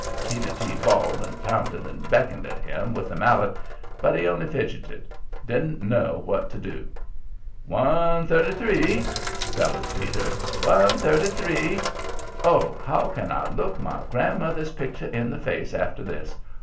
Peter T. bawled and pounded and beckoned at him with the mallet, but he only fidgetted didn't know what to do. "One thirty three!" bellers Peter. "One thirty three! Oh, how can I look my grandmother's picture in the face after this?